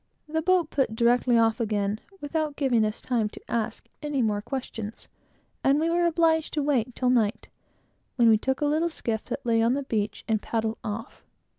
The boat put directly off again, without giving us time to ask any more questions, and we were obliged to wait till night, when we took a little skiff, that lay on the beach, and paddled off.